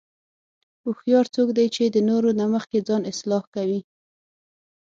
هوښیار څوک دی چې د نورو نه مخکې ځان اصلاح کوي.